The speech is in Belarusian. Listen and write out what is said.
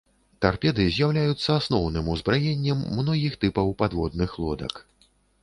Тарпеды з'яўляюцца асноўным узбраеннем многіх тыпаў падводных лодак.